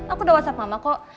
aku udah whatsapp mama kok